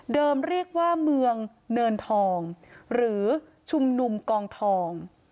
เรียกว่าเมืองเนินทองหรือชุมนุมกองทอง